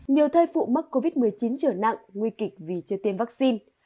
nhiều thai phụ mắc covid một mươi chín trở nặng nguy kịch vì chưa tiêm vaccine